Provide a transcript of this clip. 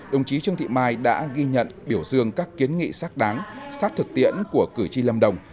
đồng chí trương thị mai đã ghi nhận biểu dương các kiến nghị xác đáng sát thực tiễn của cử tri lâm đồng